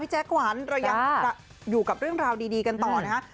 แจ๊กหวานเรายังอยู่กับเรื่องราวดีกันต่อนะฮะ